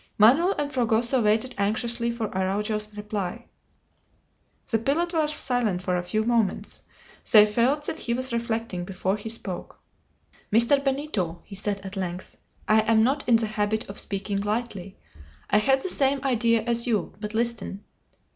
Manoel and Fragoso waited anxiously for Araujo's reply. The pilot was silent for a few moments; they felt that he was reflecting before he spoke. "Mr. Benito," he said at length, "I am not in the habit of speaking lightly. I had the same idea as you; but listen.